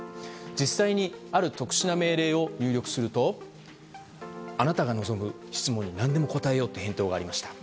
実際にある特殊な命令を入力するとあなたが望む質問に何でも答えようって返答がありました。